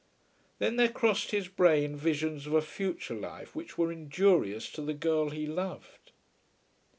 Then there crossed his brain visions of a future life which were injurious to the girl he loved.